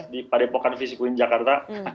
di padepokan visikuin jakarta